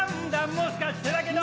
もしかしてだけど